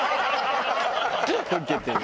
「ウケてる」